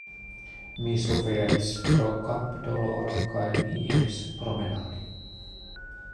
Mi suferis pro kapdoloro, kaj mi iris promenadi.